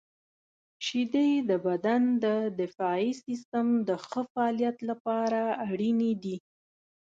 • شیدې د بدن د دفاعي سیستم د ښه فعالیت لپاره اړینې دي.